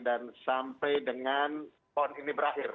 dan sampai dengan pon ini berakhir